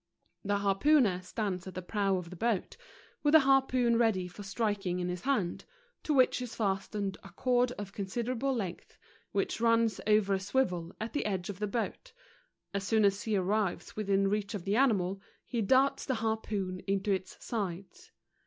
The harpooner stands at the prow of the boat, with a harpoon ready for striking in his hand, to / iev sea. 13 which is fastened a cord of considerable length, which runs over a swivel at the edge of the boat; as soon as he arrives within reach of the animal, he darts the harpoon into its sides.